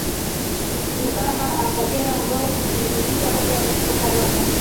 ukijulikana kama Akagera ambao hutiririsha maji yake kutoka Rwanda